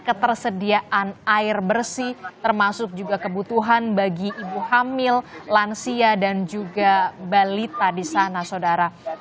ketersediaan air bersih termasuk juga kebutuhan bagi ibu hamil lansia dan juga balita di sana saudara